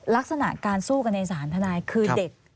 ลักษณะการสู้กันในศาลทนายคือเด็ก